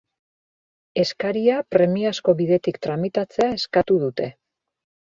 Eskaria premiazko bidetik tramitatzea eskatu dute.